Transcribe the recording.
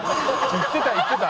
言ってた言ってた。